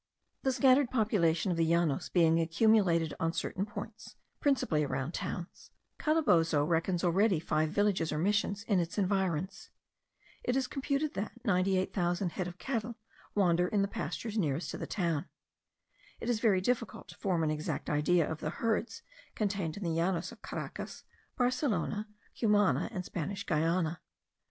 The scattered population of the Llanos being accumulated on certain points, principally around towns, Calabozo reckons already five villages or missions in its environs. It is computed, that 98,000 head of cattle wander in the pastures nearest to the town. It is very difficult to form an exact idea of the herds contained in the Llanos of Caracas, Barcelona, Cumana, and Spanish Guiana.